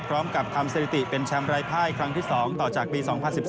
พร้อมกับทำเศรษฐีเป็นแชมป์ไร้พ่ายครั้งที่๒ต่อจากปี๒๐๑๓